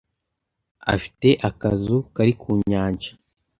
Afite akazu kari ku nyanja.